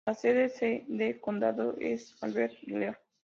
La sede de condado es Albert Lea.